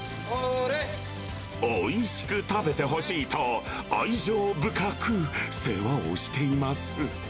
おいしく食べてほしいと、愛情深く世話をしています。